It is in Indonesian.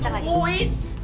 iya betul lagi